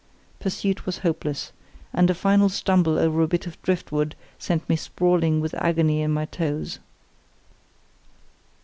Pursuit was hopeless, and a final stumble over a bit of driftwood sent me sprawling with agony in my toes.